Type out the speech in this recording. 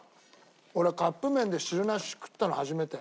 俺カップ麺で汁なし食ったの初めて。